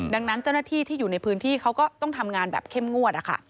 ดังนั้นเจ้าหน้าที่ที่อยู่ในพื้นที่เขาก็ต้องทำงานแบบเข้มงวด